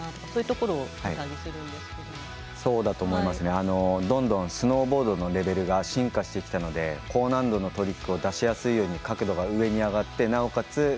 そういうところをどんどんスノーボードのレベルが進化してきたので高難度のトリックを出しやすいように角度が上に上がってなおかつ